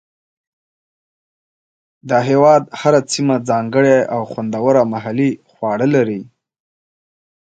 د هېواد هره سیمه ځانګړي او خوندور محلي خواړه لري.